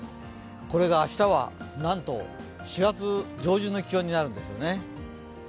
これが明日は、なんと４月上旬の気温になるんですよね。